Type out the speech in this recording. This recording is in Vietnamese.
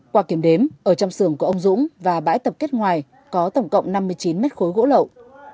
qua kiểm đếm ở trong xưởng của ông dũng và bãi tập kết ngoài có tổng cộng năm mươi chín mét khối gỗ lậu